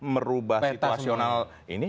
merubah situasional ini